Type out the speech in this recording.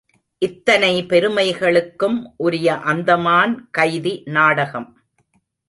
இத்தனை பெருமைகளுக்கும் உரிய அந்தமான் கைதி நாடகம்.